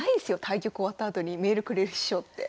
対局終わったあとにメールくれる師匠って。